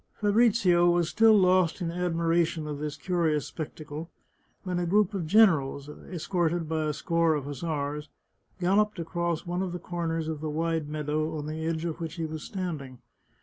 Fabrizio was still lost in admiration of this curious spec tacle, when a group of generals, escorted by a score of hus sars, galloped across one of the corners of the wide meadow on the edge of which he was standing.